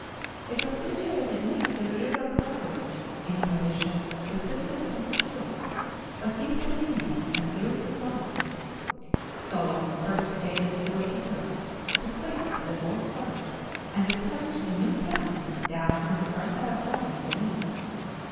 It was situated near the river Clarius in a position precipitous and secure, but inconvenient and ill supplied, Solon persuaded Philocyprus to quit the old site and establish a new town down in the fertile plain beneath.